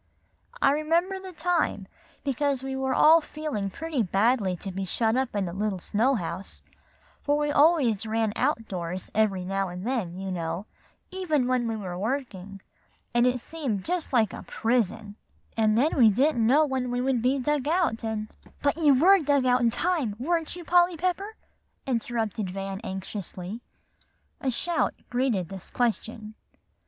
I remember the time, because we were all feeling pretty badly to be shut up in the little snow house; for we always ran out doors every now and then, you know, even when we were working, and it seemed just like a prison, and then we didn't know when we would be dug out, and" "But you were dug out some time, weren't you, Polly Pepper?" interrupted Van anxiously. A shout greeted this question.